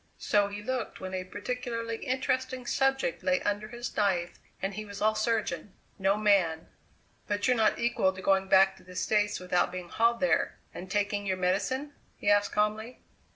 So he looked when a particularly interesting subject lay under his knife and he was all surgeon no man. "But you're not equal to going back to the States without being hauled there and taking your medicine?" he asked calmly.